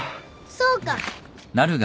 そうか。